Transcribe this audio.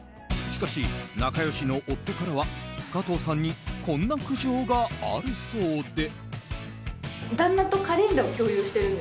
しかし、仲良しの夫からは加藤さんにこんな苦情があるそうで。